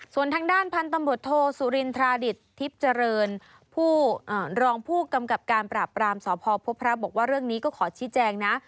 ส่วนทางด้านพันธุ์ตำรวจโทสุรินทราดิตทิพย์เจริญผู้รองผู้กำกับการปราบรามสพพพระบอกว่าเรื่องนี้ก็ขอชี้แจงนะ